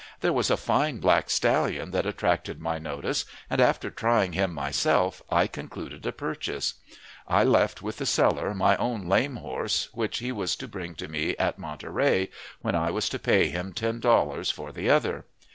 There was a fine black stallion that attracted my notice, and, after trying him myself, I concluded a purchase. I left with the seller my own lame horse, which he was to bring to me at Monterey, when I was to pay him ten dollars for the other.